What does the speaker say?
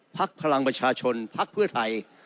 ภักดิ์พลังประชาชนภักดิ์เพื่อไทย